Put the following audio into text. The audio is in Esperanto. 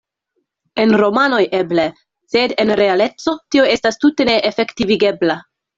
En romanoj, eble; sed en realeco, tio estas tute ne efektivigebla.